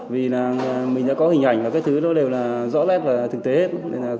vì là mình đã có hình ảnh và các thứ đó đều là rõ ràng là thực tế hết